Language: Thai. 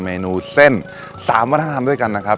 เมนูเส้น๓วัฒนธรรมด้วยกันนะครับ